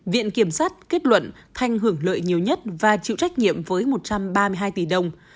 viện kiểm sát kết luận thanh hưởng lợi nhiều nhất và chịu trách nhiệm với một trăm ba mươi hai tỷ đồng